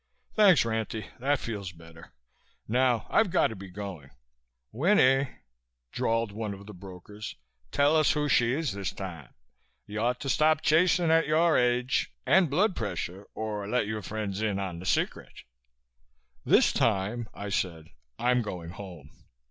"Thanks, Ranty, that feels better. Now I've got to be going." "Winnie," drawled one of the brokers, "tell us who she is this time. You ought to stop chasing at your age and blood pressure or let your friends in on the secret." "This time," I said, "I'm going home."